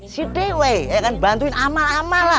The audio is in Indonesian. siti weh bantuin amal amal lah